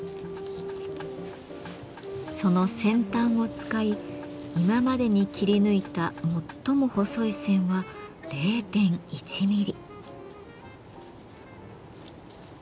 その先端を使い今までに切り抜いた最も細い線は０．１ミリ。